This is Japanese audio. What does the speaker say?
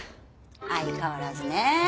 相変わらずねえ。